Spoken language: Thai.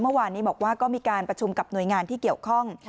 เมื่อวานนี้บอกว่าก็มีการประชุมกับหน่วยงานที่เกี่ยวข้อง